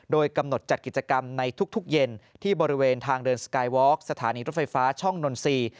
โดยกำหนดจัดกิจกรรมในทุกเย็นที่บริเวณทางเดินสกายวอล์กสถานีรถไฟฟ้าช่องนนทรีย์